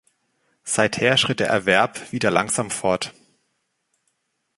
Seither schritt der Erwerb wieder langsam fort.